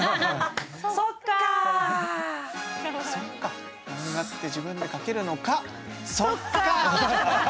そっか、マンガって自分で描けるのか、そっかー！